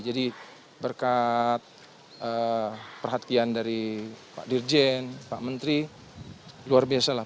jadi berkat perhatian dari pak dirjen pak menteri luar biasa lah